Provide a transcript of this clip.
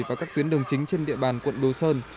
và các tuyến đường chính trên địa bàn quận đồ sơn